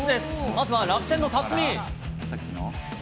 まずは楽天の辰己。